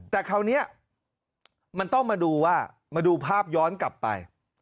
แต่คราวนี้มันต้องมาดูว่ามาดูภาพย้อนกลับไป